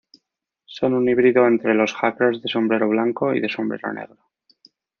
Son un híbrido entre los hackers de sombrero blanco y de sombrero negro.